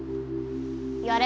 やれ。